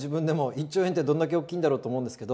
１兆円ってどんだけ大きいんだろうと思うんですけど。